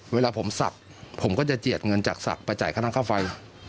เวลาผมศักดิ์ผมก็จะเจียดเงินจากศักดิ์ไปจ่ายค่าน้ำค่าไฟ